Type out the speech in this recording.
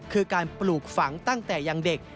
คือการปลูกฝังตั้งแต่ยังเด็ก